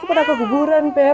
aku pernah keguguran beb